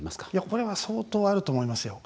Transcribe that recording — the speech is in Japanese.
これは、相当あると思いますよ。